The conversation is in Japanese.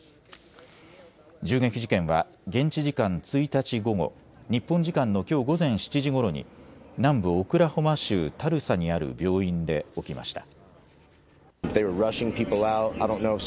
銃撃事件は現地時間１日午後、日本時間のきょう午前７時ごろに南部オクラホマ州タルサにある病院で起きました。